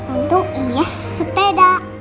untung iya sepeda